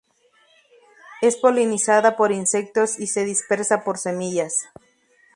Es polinizada por insectos y se dispersa por semillas.